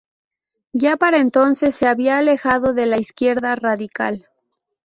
Ya para entonces se había alejado de la izquierda radical.